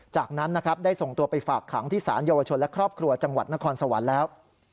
จากนั้นนะครับได้ส่งตัวไปฝากขังที่สารเยาวชนและครอบครัวจังหวัดนครสวรรค์แล้ว